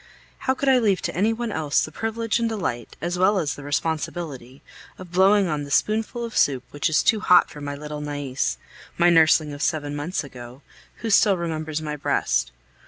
How could I leave to any one else the privilege and delight, as well as the responsibility, of blowing on the spoonful of soup which is too hot for my little Nais, my nursling of seven months ago, who still remembers my breast?